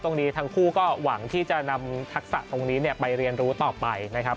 ตรงนี้ทั้งคู่ก็หวังที่จะนำทักษะตรงนี้ไปเรียนรู้ต่อไปนะครับ